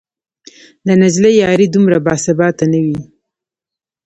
د نجلۍ یاري دومره باثباته نه وي